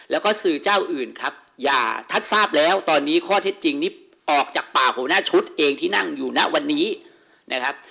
แล้วก็สื่อเจ้าอื่นครับอย่าท่านทราบแล้วตอนนี้ข้อเท็จจริงนี้ออกจากปากหัวหน้าชุดเองที่นั่งอยู่ณวันนี้นะครับ